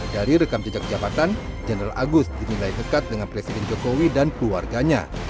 dari rekam jejak jabatan jenderal agus dinilai dekat dengan presiden jokowi dan keluarganya